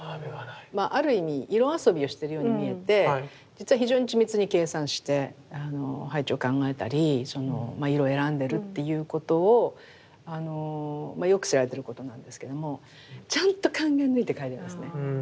ある意味色遊びをしてるように見えて実は非常に緻密に計算して配置を考えたり色を選んでるっていうことをよく知られてることなんですけれどもちゃんと考え抜いて描いてますね。